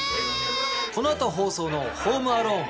この後放送の『ホーム・アローン』。